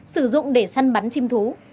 sử dụng để săn bắn chim thú